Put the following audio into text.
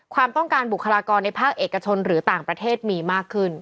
ความต้องการบุคลากรในภาคเอกชนหรือต่างประเทศมีมากขึ้น